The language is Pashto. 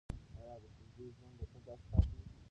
ایا د کيږديو ژوند به تل داسې پاتې وي؟